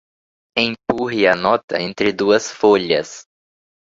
Empurre a nota entre duas folhas.